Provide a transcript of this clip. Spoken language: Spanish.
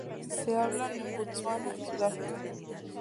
Se hablan en Botsuana y Sudáfrica.